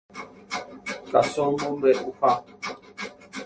Káso mombeʼuha.